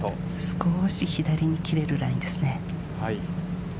少し左に切れるラインですね。